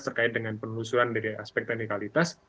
terkait dengan penelusuran dari aspek teknikalitas